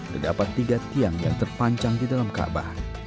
terdapat tiga tiang yang terpancang di dalam kaabah